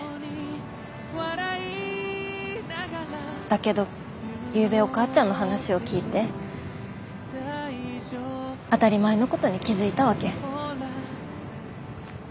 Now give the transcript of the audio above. だけどゆうべお母ちゃんの話を聞いて当たり前のことに気付いたわけ。